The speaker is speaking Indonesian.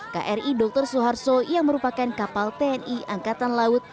kri dr suharto yang merupakan kapal tni angkatan laut